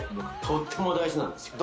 とっても大事なんですよ